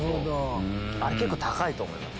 あれ結構高いと思います。